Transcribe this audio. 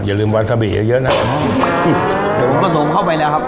อย่าลืมวานซาบีเยอะเยอะนะเดี๋ยวผมผสมเข้าไปแล้วครับ